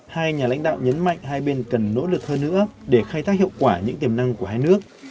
hai nhà lãnh đạo nhấn mạnh hai bên cần nỗ lực hơn nữa để khai thác hiệu quả những tiềm năng của hai nước